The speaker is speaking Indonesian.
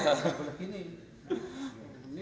tidak boleh gini